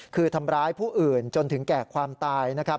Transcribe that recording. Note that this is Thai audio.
คือทำร้ายผู้อื่นจนถึงแก่ความตายนะครับ